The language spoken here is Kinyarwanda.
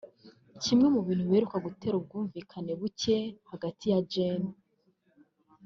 Kimwe mu bintu biherutse gutera ubwumvikane buke hagati ya Gen